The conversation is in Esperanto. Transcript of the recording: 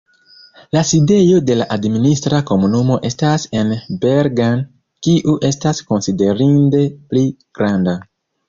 La sidejo de la administra komunumo estas en Bergen, kiu estas konsiderinde pli granda.